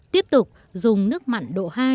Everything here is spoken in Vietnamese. tiếp tục dùng nước mặn độ hai